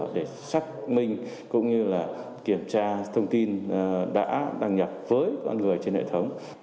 để xác minh cũng như là kiểm tra thông tin đã đăng nhập với con người trên hệ thống